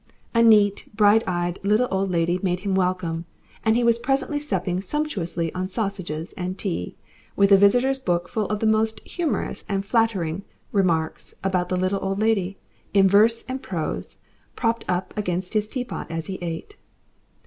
A neat, bright eyed little old lady made him welcome, and he was presently supping sumptuously on sausages and tea, with a visitors' book full of the most humorous and flattering remarks about the little old lady, in verse and prose, propped up against his teapot as he ate.